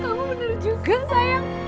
kamu bener juga sayang